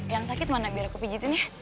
yang sakit mana biar aku pijitin ya